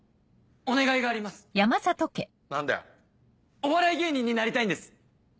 お笑い芸人になりたいんです！